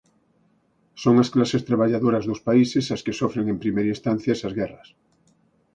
Son as clases traballadoras dos países as que sofren en primeira instancia esas guerras.